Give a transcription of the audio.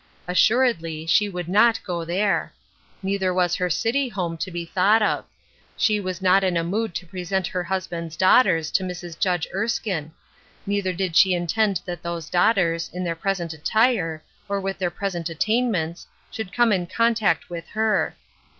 Assuredly, she would not go there ! Neither was her city home to be thought of. She was not in a mood to present her husband's daughters to Mrs. Judge Erskine ; neither did she intend that those daughters, in their present attire, or with their present attainments, should 3ome in contact with her.